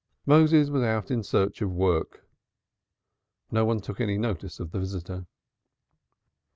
Moses was out in search of work. No one took any notice of the visitor.